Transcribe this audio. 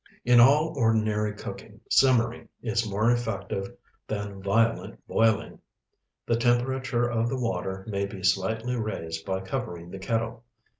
In all ordinary cooking, simmering is more effective than violent boiling. The temperature of the water may be slightly raised by covering the kettle.